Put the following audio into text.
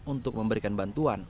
untuk memberikan bantuan